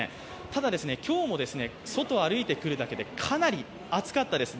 ただ、今日も外を歩いてくるだけでかなり暑かったです。